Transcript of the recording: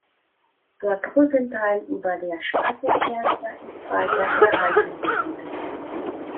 Der Brückenteil über der Schwarzen Elster ist weiter erhalten geblieben.